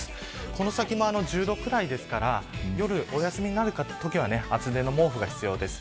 この先も１０度ぐらいですから夜、おやすみになるときは厚手の毛布が必要です。